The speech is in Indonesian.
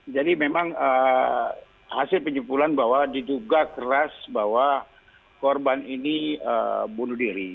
jadi memang hasil penyimpulan bahwa diduga keras bahwa korban ini bunuh diri